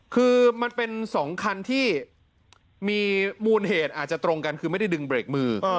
คือมันเป็น๒คันที่มีมูลเหตุอาจจะตรงกันคือไม่ได้ดึงเบรกมือ